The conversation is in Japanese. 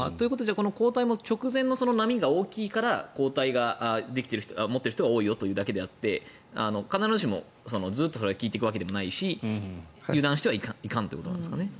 この抗体も直前の波が大きいから抗体を持ってる人が多いよというだけであって必ずしもずっとそれが効いていくわけでもないし油断してはいかんということなんですかね。